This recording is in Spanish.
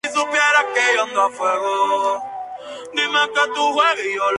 Secundino el zapatero.